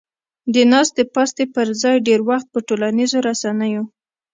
د ناستې پاستې پر ځای ډېر وخت په ټولنیزو رسنیو